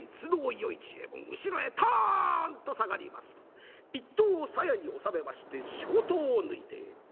右衛門後ろへトンと下がりますと一刀を鞘に収めまして小刀を抜いて。